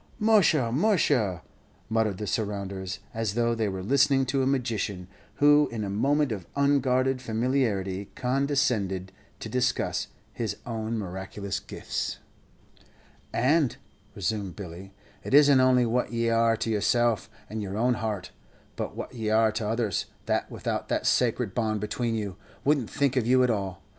"Musha, musha!" muttered the surrounders, as though they were listening to a magician, who in a moment of unguarded familiarity condescended to discuss his own miraculous gifts. "And," resumed Billy, "it isn't only what ye are to yourself and your own heart, but what ye are to others, that without that sacret bond between you, wouldn't think of you at all.